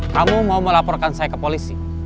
kamu mau melaporkan saya ke polisi